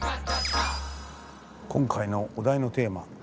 今回のお題のテーマ。